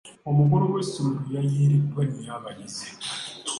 Omukulu w'essomero yayiiriddwa nnyo abayizi.